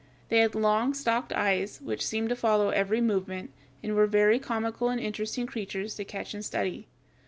They had long, stalked eyes, which seem to follow every movement, and were very comical and interesting creatures to watch and study.